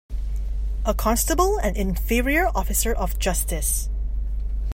A constable an inferior officer of justice.